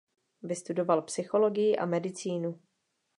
Vystudoval psychologii a medicínu.